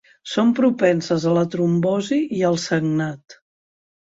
Són propenses a la trombosi i al sagnat.